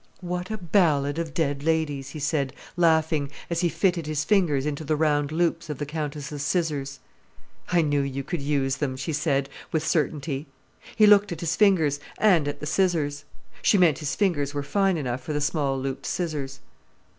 "What a ballad of dead ladies!" he said, laughing, as he fitted his fingers into the round loops of the countess's scissors. "I knew you could use them," she said, with certainty. He looked at his fingers, and at the scissors. She meant his fingers were fine enough for the small looped scissors.